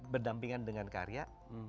berdampingan dengan karya